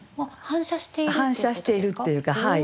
反射しているっていうかはい。